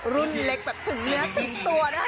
รุ่นเล็กแบบถึงเนื้อถึงตัวนะคะ